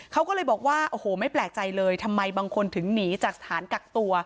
เขาก็เลยบอกว่าโอ้โหไม่แปลกใจเลยทำไมบางคนถึงหนีจากสถานกักตัว